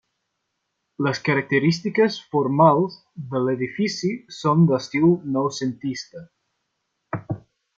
Les característiques formals de l'edifici són d'estil noucentista.